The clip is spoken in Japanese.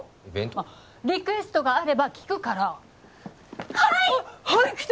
リクエストがあれば聞くからはい！